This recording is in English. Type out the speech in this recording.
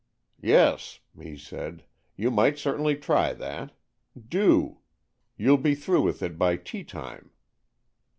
"Yes," he said, "you might certainly try that. Do. You'll be through with it by tea time."